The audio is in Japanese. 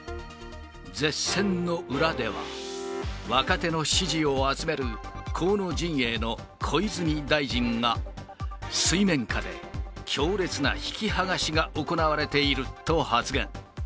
舌戦の裏では、若手の支持を集める河野陣営の小泉大臣が、水面下で強烈な引き剥がしが行われていると発言。